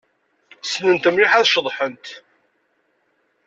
Ssnent mliḥ ad ceḍḥent.